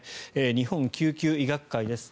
日本救急医学会です。